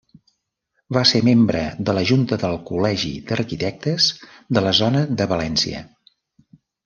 Va ser membre de la Junta del Col·legi d'Arquitectes de la Zona de València.